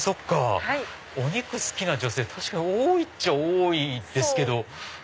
お肉好きな女性確かに多いっちゃ多いですけど。